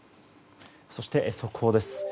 そして速報です。